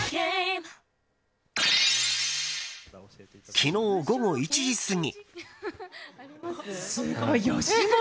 昨日午後１時過ぎ。